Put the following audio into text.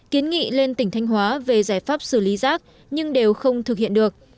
kiến nghị lên tỉnh thanh hóa về giải pháp xử lý rác nhưng đều không thực hiện được